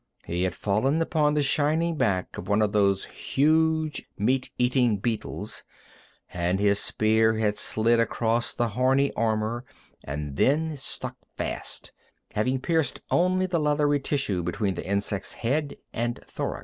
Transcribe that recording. He had fallen upon the shining back of one of the huge, meat eating beetles, and his spear had slid across the horny armor, and then stuck fast, having pierced only the leathery tissue between the insect's head and thorax.